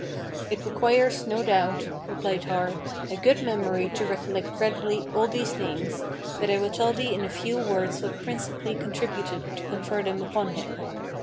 "It requires, no doubt," replied Har, "a good memory to recollect readily all these names, but I will tell thee in a few words what principally contributed to confer them upon him.